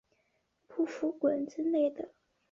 不服滚之类的